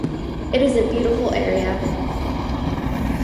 It is a beautiful area.